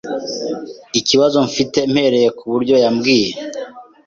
ikibazo afite mpereye ku byo yambwiye